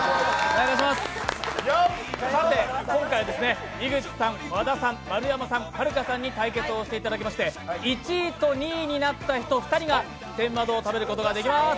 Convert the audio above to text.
さて今回は井口さん、和田さん、丸山さん、はるかさんに対決をしていただきまして１位と２位になった人２人が天窓を食べることができましう。